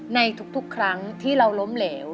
ในทุกครั้งที่เราล้มเหลว